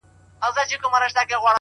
د صیب کلا ښه ده